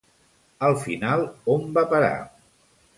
Al final, on va parar?